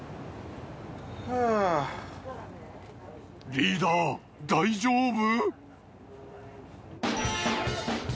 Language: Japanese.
リーダー大丈夫？